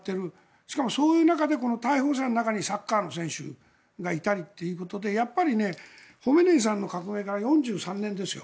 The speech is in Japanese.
しかもそういう中で逮捕者の中にサッカーの選手がいたりということでやっぱりハメネイ師の革命から４３年ですよ。